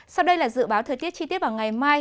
sau đây là dự báo thời tiết chi tiết vào ngày mai